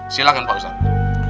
silahkan pak ustadz